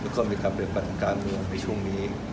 ก็มีการเปลี่ยนแบบการเหนือในช่วงนี้